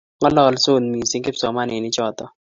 ng'ololsot mising kipsomaninik choto